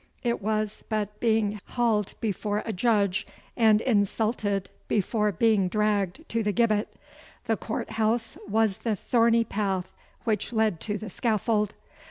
It was but being haled before a Judge, and insulted before being dragged to the gibbet. The court house was the thorny path which led to the scaffold.